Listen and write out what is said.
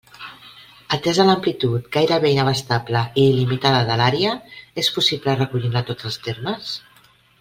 Atesa l'amplitud gairebé inabastable i il·limitada de l'àrea, és possible recollir-ne tots els termes?